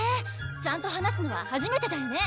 ちゃんと話すのははじめてだよね？